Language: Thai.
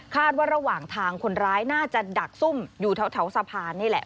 ว่าระหว่างทางคนร้ายน่าจะดักซุ่มอยู่แถวสะพานนี่แหละ